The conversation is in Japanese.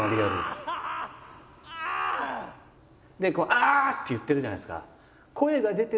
「ああ！」って言ってるじゃないですか。